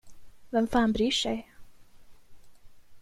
Vem fan bryr sig?